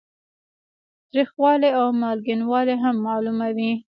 تریخوالی او مالګینوالی هم معلوموي.